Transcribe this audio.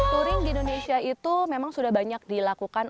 sturing di indonesia itu memang sudah banyak dilakukan